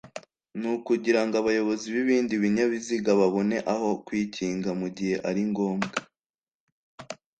nukugirango abayobozi bibindi binyabiziga babone aho kwikinga mugihe ari ngombwa